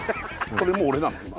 これもう俺なの今？